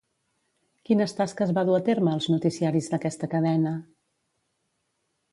Quines tasques va dur a terme als noticiaris d'aquesta cadena?